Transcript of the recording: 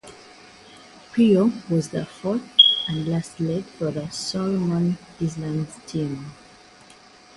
Pio was the fourth and last leg for the Solomon Islands team.